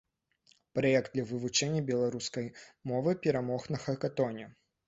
Праект для вывучэння беларускай мовы перамог на хакатоне.